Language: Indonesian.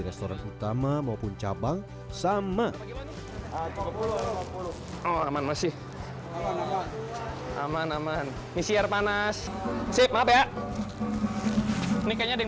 restoran utama maupun cabang sama aman masih aman aman misi air panas siap maaf ya nikahnya di